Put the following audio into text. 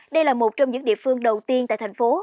đây là một trong những địa phương đầu tiên tại thành phố